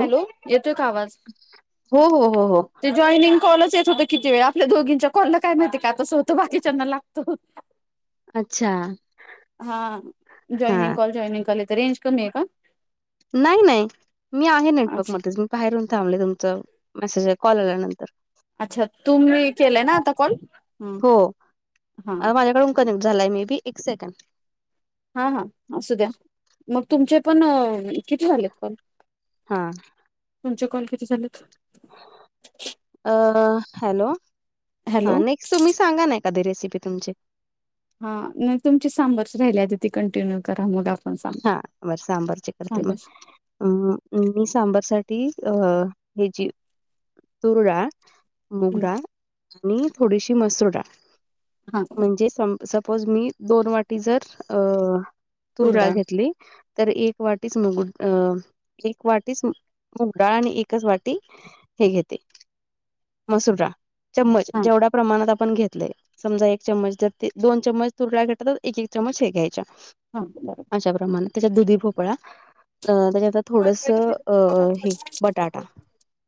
Hello, येतोय का आवाज? हो हो हो हो जॉईनिंग कॉलच येत होत किती वेळा आपल्या दोघींच्या कॉलला काय माहिती का तसं होतं बाकीच्यांना लागतो. अच्छा. हा, हा जॉईनिंग कॉल जॉइनिंग कॉल येत. रेंज कमी आहे का? नाही नाही, मी आहे नेटवर्क अच्छा मध्येच. बाहेरन येऊन थांबले. तुमचं मेसेज कॉल आल्यानंतर‌. अच्छा. तुम्ही केलंय ना, आता कॉल ह हो हा, आता माझ्याकडून कनेक्ट झाला मे बी एक सेकंद हा हा, असू द्या. मग तुमचे पण किती झालेत कॉल? हा तुमचे कॉल किती झालेत? अ हॅलो, हा हॅलो नेक्स्ट तुम्ही सांगा ना, एखादी रेसिपी तुमची. हा नाही तुमची सांबरच राहिली आधी ती कंटिन्यू करा मग आपण सांग हा मग सांबारची करते मग सांबार अं, मी सांबरसाठी अ हि जी तुर दाळ मुग दाळ आणि थोडीशी मसुर दाळ हा म्हणजे सम सपोज मी दोन वाटी जर तुरडाळ घेतली. तर एक वाटीच मुग अ एक वाटीच मुग दाळ आणि एकच वाटी हे घेते मसुर दाळ चम्मच हा जेवढ्या प्रमाणात आपण घेतलंय. समजा एक चमच जर ते दोन चमच तुर दाळ घेत तर एक एक चमच हे घ्यायच्या. हा, बर. च्या प्रमाणात त्याच्यात दुधी भोपळा अ त्याच्यात थोडंस अ हे बटाटा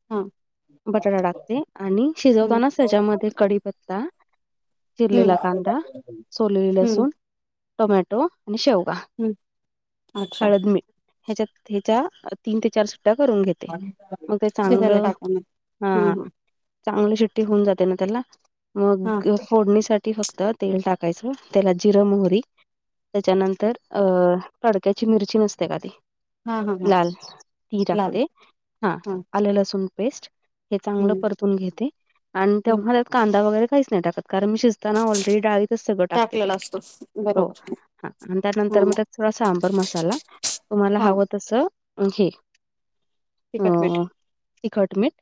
हा बटाटा टाकते आणि शिजवताना हा त्याच्यामध्ये कडीपत्ता हम्म चिरलेला कांदा, सोलेली हम्म लसूण, टोमॅटो आणि शेव हम् हळद, मीठ ह्याच्यात ह्याच्या तीन ते चार सुट्ट्या करून घे शिजायला टाकून [unintelligible] हा चांगली शिट्टी होऊन जाते ना त्याला मग हा फोडणीसाठी फक्त तेल टाकायचं त्याला जिरं, मोहरी त्याच्यानंतर अ तडक्याची मिरची नसते का ती हा हा हा लाल ती लाल टाकते हा आलं लसूण पेस्ट हे चांगलं हम्म परतून घेते आणि हम्म तेव्हा त्यात कांदागैरे काहीच नाही टाकत कारण मी शिजताना ऑलरेडी डाळीत सगळ टाकते ते टाकलेला असतो हो बरोबर हा आणि हा त्यानंतर मग त्यात थोडा सांबर मसाला तुम्हाला हा हव तस हे अ तिखट मीठ तिखट मिठ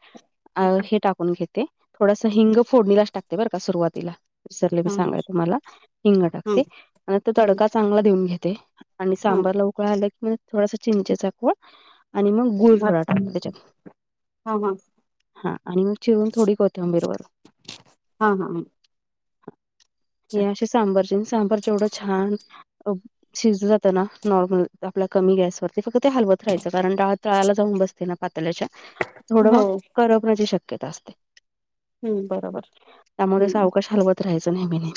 हे टाक न घेते थोडास हिंग फोडणीलाच टाकते बरं का सुरुवातीला विसरले मी हा हा सांगायच तुम्हाला हिंग हम्म टाकते आणि तो हम्म तडका चांगला देऊन घेते. आणि हा सांबरला उकळा आला की मग थोडासा चिंचेचा कोळ आणि मग गुळ थोडा अच्छा टाकला त्याच्यात, हा हा आणि आणि चिरून थोडी कोथिंबीर वरून. हा हा ह हे असे सांबारचे आणि सांबार जेवढं छान शिजल जा त ना नॉर्मल आपल्या कमी गॅसवरती फक्त ते हलवत राहायचं कारण डाळ तळाला जाऊन बसते ना पातिल्याच्या थोडं हो करपण्याची शक्यता असते. हम्म बरोबर त्यामुळे हम्म सावकाश हलवत राहायचं नेहमीने.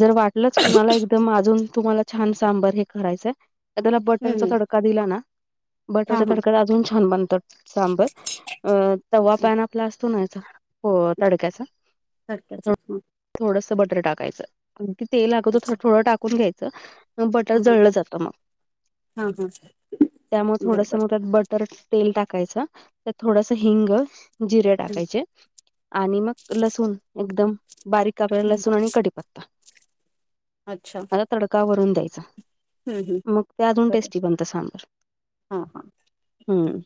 जर वाटलंच कुणाला एकदम अजून तुम्हाला छान सांबर हे करायचंय त्याला बटरचा हम्म तडका दिला ना हा बटरच्या हा तडका्या अजून छान बनत सांबर तवा अच्छा पॅन आपला असतो ना याचा हो तडक्याचा तडक्याचा, थोडस बटर टाकायचं अगदी तेल अगोदर अच्छा थोडं टाकून घ्यायचं ब टर हम्म जळलं जात मग हा हा हा त्यामुळे थोडस बरोबर मग त्यात बटर तेल टाकायच त्यात थोडस हिंग जिरे हम्म टाकायचे. आणि मग लसूण एकदम बारीक कापलेला हम्म लसूण आणि मग कढीपत्ता. अच्छा आता तडकावरून द्यायचा हम्म हम्म मग ते अजून बरोबर टेस्टी बनत सांबर हा हा हम्म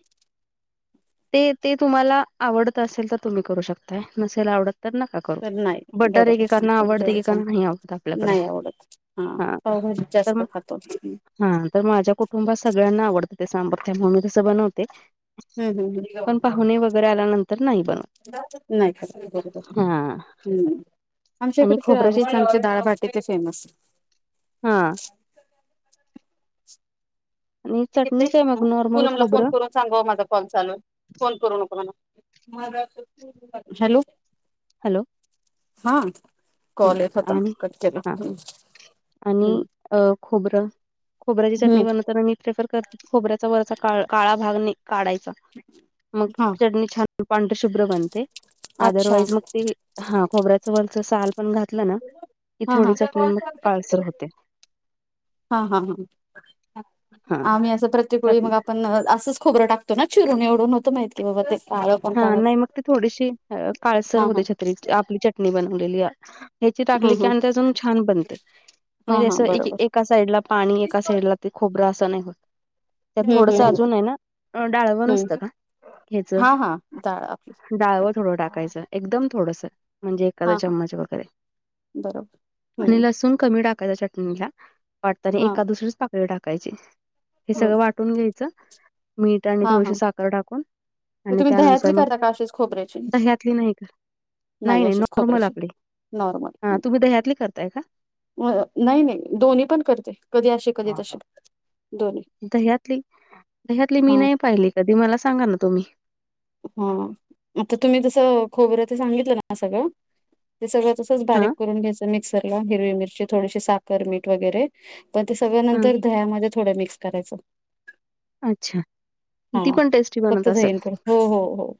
ते ते तुम्हाला आवडत असेल तर तुम्ही करू शकताय नसेला आवडत तर नका करू तर नाही बटर एकेकांना आवडते बरोबर एकेकांना नाही आवडत [unintelligible] आपल्याकडे नाही आवडत हा. पावभाजी च तर जास्त खातो आम्ही. हा तर माझ्या कुटुंबात सगळ्यांना आवडतं ते त्याच्यामुळे मी तसं बनवते. हम्म हम्म पण हम्म पाहुणे वगैरे आल्यानंतर नाही बनत. नाही का बरोबर. हम्म आमच्या आणि इकडे तर खोबऱ्याची राजस्थानचे डाळभाटी ते फेमस. हा आणि किथ चटणी काय मग नॉर्मल पूनमला फोन खोबरं करून सांगा माझा कॉल चालू फोन करू नको म्हणा माझा हॅलो हॅलो हा हं कॉल येत होता आणि कट केला हा ह आणि हम्म अ खोबरं खोबऱ्याची चटणी बनवताना म प्रेफर करते खोबऱ्याचा वराचा का काळा भाग नाही काढायचा. मग हा चटणी छान पांढ शुभ्र बनते अच्छा अदरवाईज मग ते खोबऱ्याच वरचसाल पण घातलं ना की हा थोडी हा चटणी मग काळसर होते. हा, हा, हा ह--आम्ही असं प्रत्येक वेळी त्यात मग आपण असंच खोबरं टाकतो. ना चिरून एवढून होतं माहितीय बाबा तेळ हा नाही मग ते थोडीशी काळसर हा हा होते छत्री आपली चटणी बनवलेली ह्याची हा टाकली की हा आणि ते अजून छान बनते हा म्हणजे हा जस बरोबर एका साईड ला पाणी एका साइड ला ते खोबरं असं नाही होत त्यात हम्म थोडस हम्म अजून आहे ना डाळवं नसतं का ह्याच जाडा डाळं थोडं टाकायचं एकदम थोडंसं म्हणजे एखादा हां, हां, चममच वगैरे बरोबर. आणि हं, लसूण कमी टाकायच चटणीला वाटताना हां, एका दुसरीच पाकळी टाकायची हे हं, सगळं वाटून घ्यायचं मीठ हां, आणि, हां. साखर टाकून मग तुम्ही त्यानंतर दह्यातली मग करता का अशीच खोबऱ्याची? दह्यातली नाही. नाही नाही अशीच नॉर्मल खोबऱ्याची आपले नॉर्मल. हा हं. तुम्ही दह्यातली करताय का अ नाही नाही दोन्ही पण करते कधी असे कधी हा हा. तसे दह्यातली दह्यातली मी हां, नाही पाहिली कधी मला सांगा ना तुम्ही हा आता तुम्ही तस खोबरच सांगितलं ना सगळं ते सगळ त हा तेचबारीक करून घ्यायच मिक्सर ला हिरवी मिरची थोडीशी साखर मीठ वगैरे पण ते सगळं हा नंतर ह्यामध्ये थोड मिक्स करायचं अच्छा ती हां. पण टेस्टी बनत फक्त दही असेल आणि थोडं हो, हो, हो,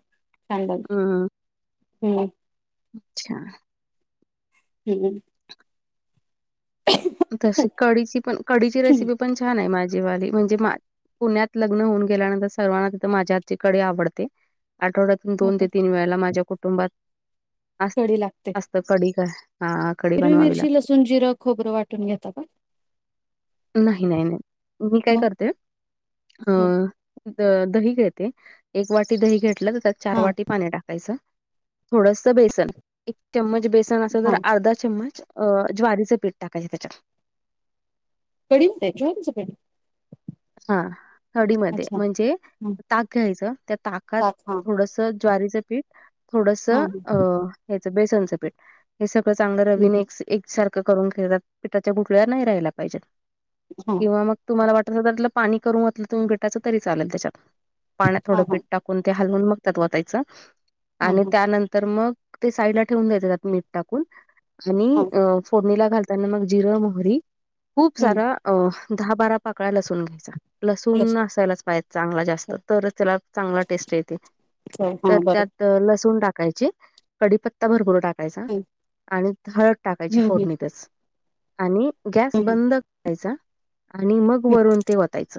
छां् अच्छा हम् तशी कढची पण कढीची रेसिपी पण छान आहे माझीवाली म्हणजे मा पुण्यात लग्न होऊन गेल्यानंतर सर्वांना तिथे माझ्या आजची कडी आवडते आठवड्या दोन ओके. ते तीन वेळाला माझ्या कुटुंबात कढी असत कडी का हा कढी हिर बनवावी मिरची, लागते लसूण, जिरं, खोबरं, वाटून घेता का नाही, नाही, नाही, मी काय मग करते अ दही घेते एक वाटी दही घेतलं त्यात चार हा वाटी पाणी टाक थोडस बेसन एक चम्मच बेसन अस हा तर अर्धा चम्मच अ ज्वारीचं पीठ टाकायचं त्याच्या कडी होठायची आमचं कडे हा कडीमध्ये म्हणजे हा ताक घ्यायचं त्या ताकात ताक हा थोडस ज्वारीचं पीठ थोडस हा हा अ हच बेसनचं पीठ हे सगळं चांगलं रविने हा एकसारखं करून खेळतात पिठाच्या गुठल्यावर नाही राहाला पाहिजेत हा किंवा मग तुम्हाला वाट आपलं पाणी करून घलं तुम्ही बेटाचं तरी चालेल त्याच्यात पाण्यात थोडं पिट हा टाक ते हलवून मग वतायचं हा आणि हा त्यानंतर मग ते साईडला ठेवून द्यायच त्यात मीठ टाकून, हा आणि फोडणीला घाल त्यांना मग जिरं मोहरी खूप सारा अं धा बारा पाकळ्या लसून घ्यायचा लसूण असायलाच पाहिज चांगला जास्त तरच त्याला चांगला टेस्ट येते. अच्छा हा बरं. अं लसूण टाकायचे कडीपत्ता भरपूर टाकायचा हं, आणि हळद टाकायची हं, हं, फोडणीतच आणि गॅस हं, हं, बंद करायचा आणि मग हं. वरून ते वतायच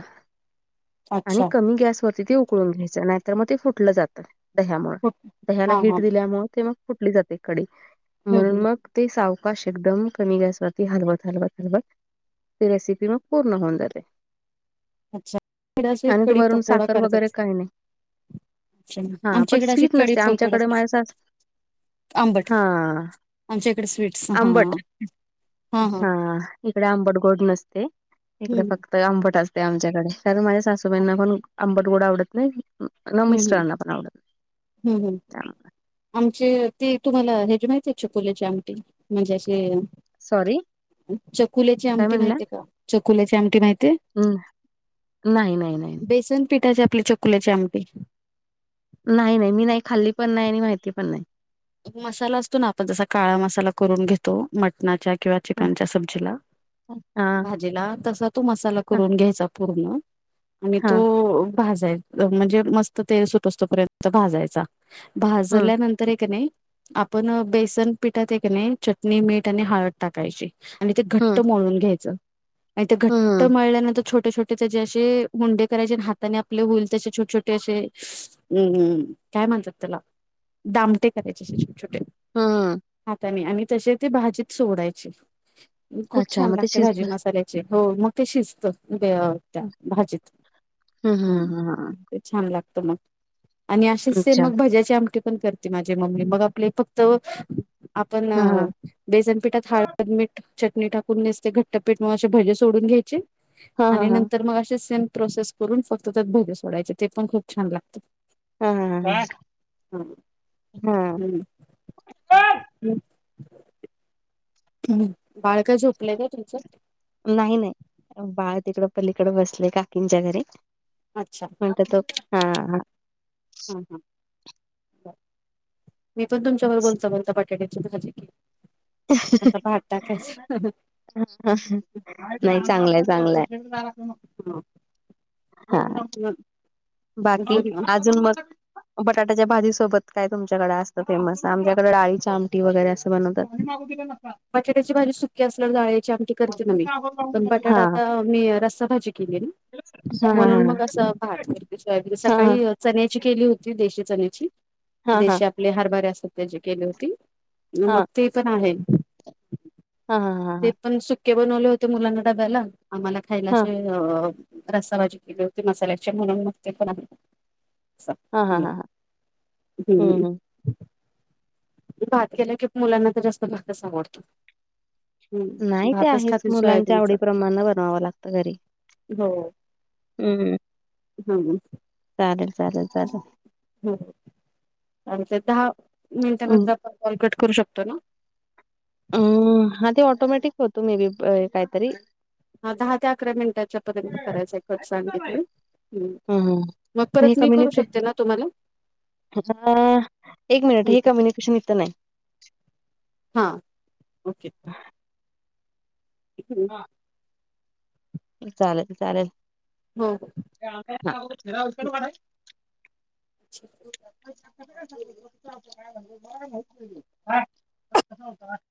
आणि अच्छा कमी गॅस वरती ते उ कळून घ्यायचं नाहीतर मग ते फुटलं जातं दह्यामुळे दह्याला हा हा हीट दिल्यामुळे ते मग फुटली जाते कडी म्हणून मग ती सावकाश एकदम कमी गॅसवरती हलवत हलवत हलवत ते रेसिपी मग पूर्ण होऊन जात ते. अच्छा इकडं असं कडी वरून पकोडा साखर वगैरे कारत्यात. काही नाही अच्छा हा पण आमच्या इकडे अशी स्वीट कडी नसते पकोडा आमच्याकडे माझ्या सास आंबट हा आमच्या इकडे स्वीट्स हां. आंबट हा इकडे आंबट गोड नसते, इकडे हम्म फक् त आंबट असते आमच्याकडे कारण माझ्या सासूबाईंना पण आंबट गोड आवडत न्हाय. न मिस्टरांना पण आवडत हम् हम्. त्यामुळे आमची ती तुम्हाला हेजी माहितीय चकुलेची आमटी म्हणजे अशी सॉरी चकुल्याची काय आमटी माहतीय का? चकुल्याची आमटी माहतीये? हम् नाय नाय नाय. बेसन पिठाचे आपली चकुल्याची आमटी. नाही नाही मी नाही खाल्ली पण नाही आणि माहिती पण नाही. मसाला असतो ना आपण जसा काळा मसाला करून घेतो मटणाच्या किंवा हां, चिकनच्या सब्जीला हां, भाजीला तसा तो मसाला हां, करून घ्यायचा पूर्ण आणि हां. तो भाजाय म्हणजे मस्त तेल सुटोस्तपर्यंत भाजायचा हं, भाजल्यानंतरय कणाय आपण बेसन पिठातय कणाय चटणी मीठ आणि हळद टाकायची. आणि ते घट्ट हं, मळून घ्यायचं आणि ते घट्ट हं, मळल्यानंतर छोटे छोटे तेचेअसे हुंडे करायचे हाताने आपले होईल तसे छोटे छोटे असे अम्म्म काय म्हणतात त्याला दामटे असे छोटे छोटे हं. हाताने आणि तसे ते भाजीत सोडायचे. खूप अच्छा छान मग ते लागते भाजी शिजलं. मसाल्याची हो मग ते शिजतं म ते त्या हं, भाजीत हं. छान लागतं मग आणि असेच हं. सेम अच्छा. मग भज्याची आमटी पण करते माझी मम्मी मग आपले प ते आपण हां, अं हां. बेसनपीठात हळद मीठ चटणी टाक नीसते घट्टपीठ म असे भजे सोडून घ्यायचे हां, हां, आणि हां. नंतर मग असे सेम प्रोसेस करून फक्त त्यात भजे सोडायचे ते पण खूप छान लागतं. हम्म हम्म. हम्म. हम्म बाळ काय झोपलय का तुमचं? नाही नाही बाळ तिकडं पलीकडं बसलय काकींच्या घरी. अच्छा. [unintelligible] हा. ह ह मी पण तुमच्याबर बोलता बोलता पाट ते की चुकीच च आहे की. नाही चांगलंय चांगलंय. ह. हम. हा. बाकी? अजून मग? बटाट्याच्या भाजीसोबत काय तुमच्याकडे असतं फेमस आमच्याकडं डाळीच्या आमटी वगैरे असं बनवतात. आणि मागू दिल न का. बटाट्याची भाजी सुकी असल्यावर डाळीची आमटी करते ना मी. पण बटाटा हां. आता मी रस्साभाजी केली ना. हा हा म्हणून मग हा असं भात करते. सकाळी मी चण्याची केली होती देशी चण्याची. हा हा देशी आपले हरभरे असतात त्याची केली होती. मग हा ते पण आहे. हा हा हा ते हा पण सुके बनवले होते मुलांना डब्याला. आम्हाला खायला हा चे अ रसाभजी केली होती मसाल्याचे म्हणून मग ते पण आहे. अस हा हा हा हा हम्म हम्म. हम् भात केलं की, मुलांना तर जास्त भातच आवडतो. हम्म नाही ते भातच आहेच. खातील मुलांच्या आवडी सोयाबीनचा प्रमाण बनवावं लागतं घरी. हो. हम्म. हा. चालेल चालेल चालेल. हा. आमचे दहा मिनिटांनंतर आपण कॉल कट करू शकतो ना. अं हं ते ऑटोमॅटिक होतो मे बी काहीतरी. हा दहा ते अकरा मिनटांच्या पर्यंत करायचं आहे कट सांगितलंय. हुं. हम्म मग परत मी करू शकते ना तुम्हाला? अं हा एक मिनिट हे कम्युनिकेशन इथ नाही. हा ओके. इकडे चालेल चालेल. हो. [unintelligible] अच्छा. [unintelligible] मला काय माहितच नाही. हा.